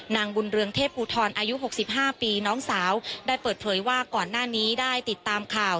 นางบุญเรืองเทพอูทรอายุ๖๕ปีน้องสาวได้เปิดเผยว่าก่อนหน้านี้ได้ติดตามข่าว